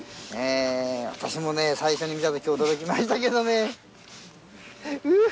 私も最初に見たとき驚きましたけどね。